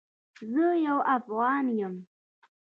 زه یو افغان یم